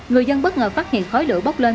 người dân bất ngờ phát hiện khói lửa bốc lên